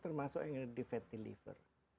termasuk yang ada di fatty liver